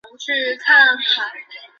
现代处理器大都是乱序执行。